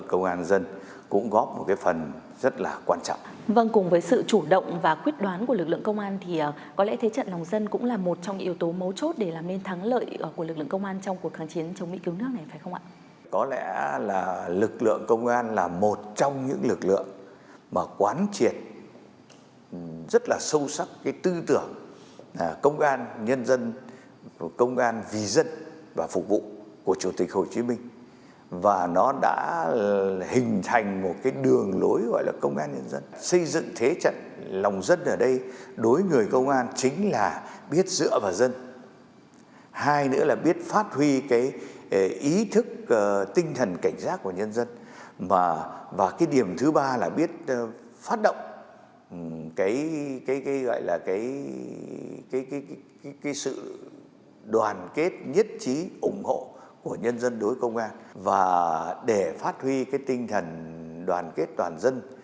vâng cùng với sự chủ động và quyết đoán của lực lượng công an thì có lẽ thế trận lòng dân cũng là một trong những yếu tố mấu chốt để làm nên thắng lợi của lực lượng công an trong cuộc kháng chiến chống mỹ cứu nước này phải không ạ